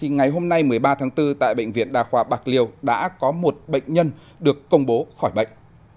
ngày hôm nay một mươi ba tháng bốn tại bệnh viện đà khoa bạc liêu đã có một bệnh nhân được công bố khỏi bệnh